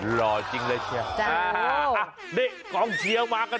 หล่อจริงเลยเชียว